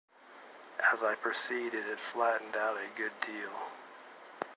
As I proceeded it flattened out a good deal.